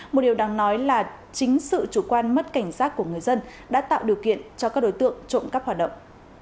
một điều đáng nói là chính sự chủ quan mất cảnh giác của người dân đã tạo điều kiện cho các đối tượng trộm cắp hoạt động